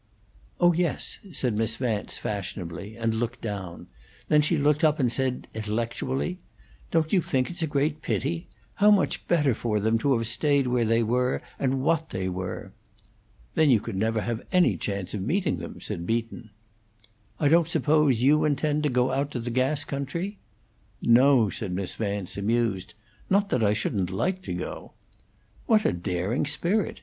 "Oh yes," said Miss Vance, fashionably, and looked down; then she looked up and said, intellectually: "Don't you think it's a great pity? How much better for them to have stayed where they were and what they were!" "Then you could never have had any chance of meeting them," said Beaton. "I don't suppose you intend to go out to the gas country?" "No," said Miss Vance, amused. "Not that I shouldn't like to go." "What a daring spirit!